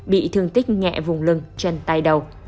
bị thương tích nhẹ vùng lưng chân tay đầu